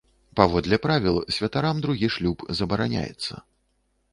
Паводле правіл, святарам другі шлюб забараняецца.